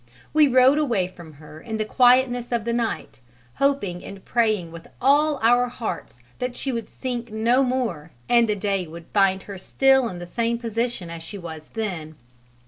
We rowed away from her in the quietness of the night, hoping and praying with all our hearts that she would sink no more and the day would find her still in the same position as she was then.